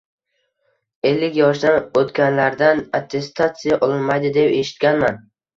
ellik yoshdan o‘tganlardan attestatsiya olinmaydi deb eshitganman.